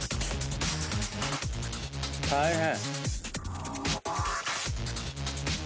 大変。